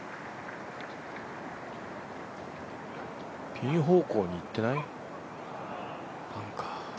ピン方向に行ってない？